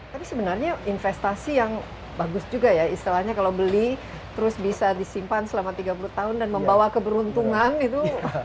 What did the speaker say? tapi sebenarnya investasi yang bagus juga ya istilahnya kalau beli terus bisa disimpan selama tiga puluh tahun dan membawa keberuntungan itu